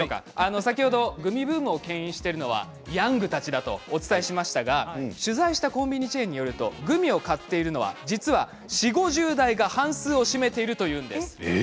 先ほどグミブームをけん引しているのはヤングたちだとお伝えしましたが取材したコンビニチェーンによるとグミを買っているのは実は４０、５０代が半数を占めているというんです。